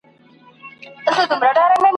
نه د مشر ورور کوزده نه یې عیال وو !.